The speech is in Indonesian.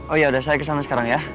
oh ya udah saya kesana sekarang ya